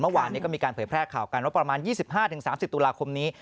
เมื่อวานนี้ก็มีการเผยแพร่ข่าวกันว่าประมาณ๒๕๓๐ตุลาคมนี้